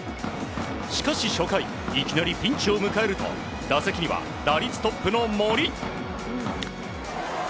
しかし初回いきなりピンチを迎えると打席には打率トップの森。